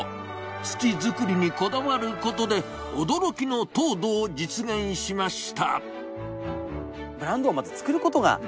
土作りにこだわることで、驚きの糖度を実現しました。